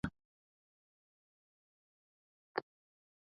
پسه د افغانستان د سیاسي جغرافیه برخه ده.